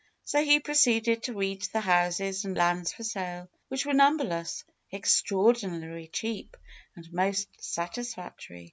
So he proceeded to read the houses and lands for sale, which were numberless, extraordinarily cheap, and most satisfactory.